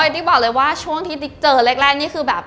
ติ๊กบอกเลยว่าช่วงที่ติ๊กเจอแรกนี่คือแบบ